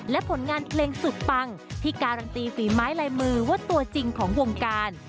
และผลงานเพลงสุดปังที่การันตีฝีไม้ลายมือว่าตัวจริงของวงการ